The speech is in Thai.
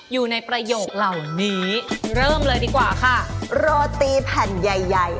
อยู่ในประโยคเหล่านี้เริ่มเลยดีกว่าค่ะโรตีแผ่นใหญ่ใหญ่